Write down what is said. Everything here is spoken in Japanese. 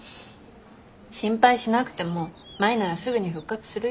心配しなくても舞ならすぐに復活するよ。